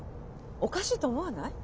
おかしいと思わない？